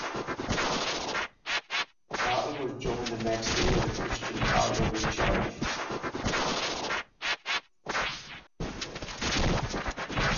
Battle was joined the next day with a Christian cavalry charge.